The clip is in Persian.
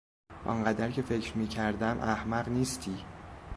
آنقدر که فکر میکردم احمق نیستی.